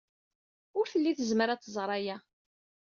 Ur telli tezmer ad tẓer aya.